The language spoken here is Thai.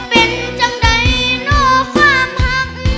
เป็นจังใดนอกความหัก